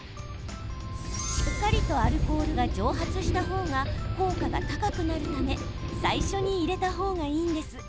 しっかりとアルコールが蒸発した方が効果が高くなるため最初に入れた方がいいんです。